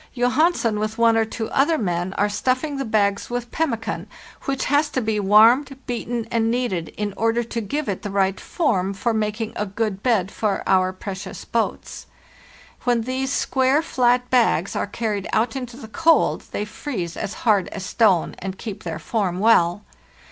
Johansen with one or two other men are stuffing the bags with pemmican, which has to be warmed, beaten, and kneaded in order to give it the right form for making a good bed for our precious boats. When these square, flat bags are carried out into the cold they freeze as hard as stone, and keep their form well.